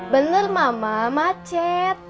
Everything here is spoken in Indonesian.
bener mama macet